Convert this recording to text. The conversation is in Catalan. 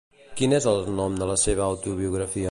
Quin és el nom de la seva autobiografia?